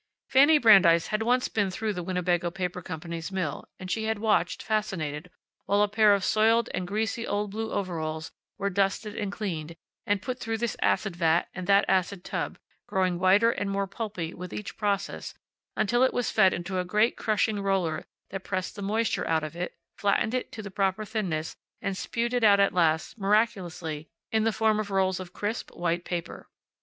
Fanny Brandeis had once been through the Winnebago Paper Company's mill and she had watched, fascinated, while a pair of soiled and greasy old blue overalls were dusted and cleaned, and put through this acid vat, and that acid tub, growing whiter and more pulpy with each process until it was fed into a great crushing roller that pressed the moisture out of it, flattened it to the proper thinness and spewed it out at last, miraculously, in the form of rolls of crisp, white paper.